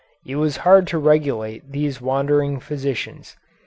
It was hard to regulate these wandering physicians.